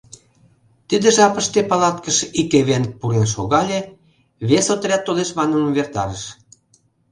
Тиде жапыште палаткыш ик эвенк пурен шогале, — вес отряд толеш манын увертарыш.